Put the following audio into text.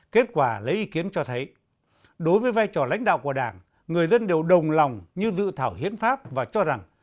kết quả lấy ý kiến cho thấy đối với vai trò lãnh đạo của đảng người dân đều đồng lòng như dự thảo hiến pháp và cho rằng